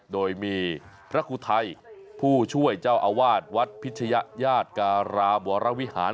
โดยมีพระอุทัยผู้ช่วยเจ้าอาวาสวัดพิชยญาติการามวรวิหาร